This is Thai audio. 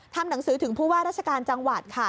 ทำหนังสือถึงผู้ว่าราชการจังหวัดค่ะ